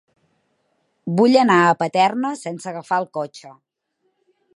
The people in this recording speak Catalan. Vull anar a Paterna sense agafar el cotxe.